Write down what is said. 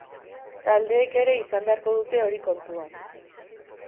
Taldeek ere izan beharko dute hori kontuan.